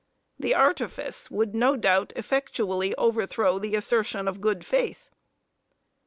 The artifice would no doubt effectually overthrow the assertion of good faith.